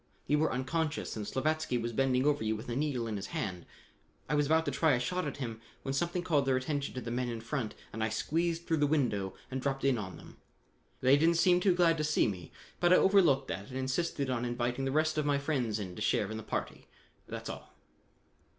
You were unconscious and Slavatsky was bending over you with a needle in his hand. I was about to try a shot at him when something called their attention to the men in front and I squeezed through the window and dropped in on them. They didn't seem any too glad to see me, but I overlooked that and insisted on inviting the rest of my friends in to share in the party. That's all."